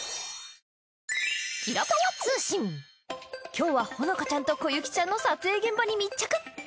今日はホノカちゃんとコユキちゃんの撮影現場に密着！